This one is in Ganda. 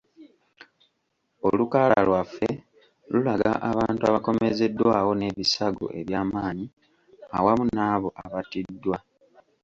Olukalala lwaffe lulaga abantu abakomezeddwawo n’ebisago ebyamanyi awamu nabo abattiddwa.